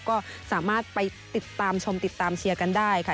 ก็สามารถไปติดตามชมติดตามเชียร์กันได้ค่ะ